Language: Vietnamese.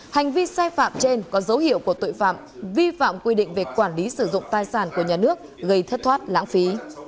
hành vi sai phạm trên có dấu hiệu của tội phạm vi phạm quy định về quản lý sử dụng tài sản của nhà nước gây thất thoát lãng phí